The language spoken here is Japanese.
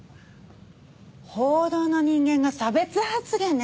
報道の人間が差別発言ですか。